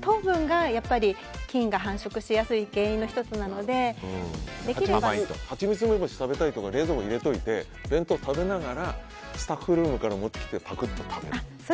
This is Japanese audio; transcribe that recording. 糖分が菌が繁殖しやすい原因の１つなのでハチミツ梅干し食べたいから冷蔵庫に入れておいて弁当食べながらスタッフルームから持ってきてパクッと食べる。